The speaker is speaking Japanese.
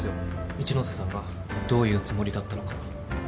一ノ瀬さんがどういうつもりだったのか。